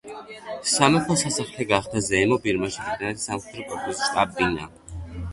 სამეფო სასახლე გახდა ზემო ბირმაში ბრიტანეთის სამხედრო კორპუსის შტაბ-ბინა.